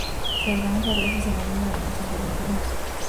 Se organiza gracias a la ayuda de muchos voluntarios.